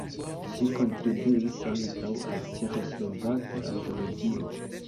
Ŝi kontribuis ankaŭ al "Ĉeĥoslovaka Antologio".